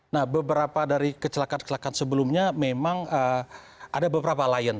nah beberapa dari kecelakaan kecelakaan sebelumnya memang ada beberapa lion